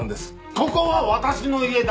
ここは私の家だ！